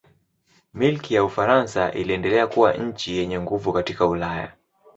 Milki ya Ufaransa iliendelea kuwa nchi yenye nguvu katika Ulaya.